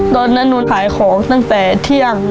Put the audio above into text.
ตอนนั้นหนูขายของตั้งแต่เที่ยง